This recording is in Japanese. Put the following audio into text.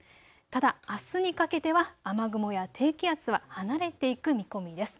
ただあすにかけては雨雲や低気圧は離れていく見込みです。